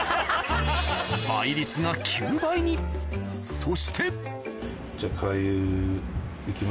倍率が９倍にそしてじゃあ。